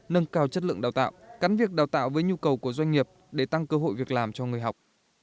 nâng cao chất lượng đào tạo cắn việc đào tạo với nhu cầu của doanh nghiệp để tăng cơ hội việc làm cho người học